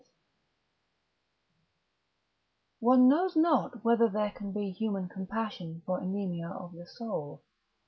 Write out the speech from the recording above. XI One knows not whether there can be human compassion for anemia of the soul.